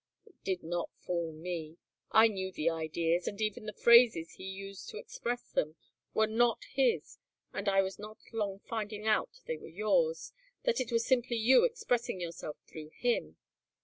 It did not fool me. I knew the ideas, and even the phrases he used to express them, were not his and I was not long finding out they were yours, that it was simply you expressing yourself through him.